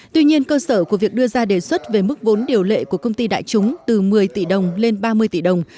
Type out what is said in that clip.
tuy nhiên cơ sở của việc đưa ra đề xuất về mức vốn điều lệ của công ty đại chúng từ một mươi tỷ đồng lên ba mươi tỷ đồng